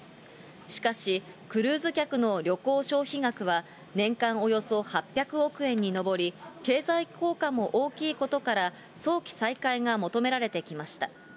しかし、クルーズ客の旅行消費額は年間およそ８００億円に上り、経済効果も大きいことから、早期再開が求められてきました。